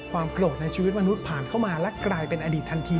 โกรธในชีวิตมนุษย์ผ่านเข้ามาและกลายเป็นอดีตทันที